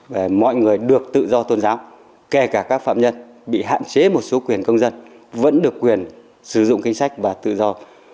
về mọi người được tự do tôn giáo kể cả các phạm nhân bị hạn chế một số quyền công dân vẫn được quyền sử dụng kinh sách và tự do